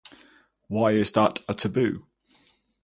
Why is that a taboo?